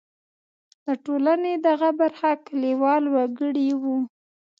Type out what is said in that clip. د ټولنې دغه برخه کلیوال وګړي وو.